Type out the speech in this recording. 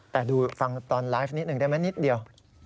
แต่ดูฟังตอนไลฟ์นิดหนึ่งได้ไหมนิดเดียว